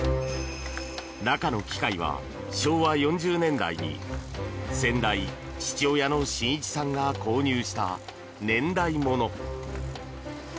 中の機械は、昭和４０年代に先代、父親の伸一さんが購入した年代もの。